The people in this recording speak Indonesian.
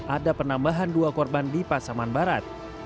ada penambahan dua korban di pasaman barat